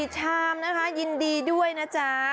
ชามนะคะยินดีด้วยนะจ๊ะ